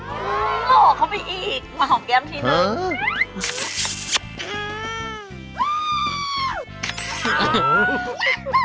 อ๋อเหมาะเข้าไปอีกหมาห่อมแก้มชิ้นน่ะ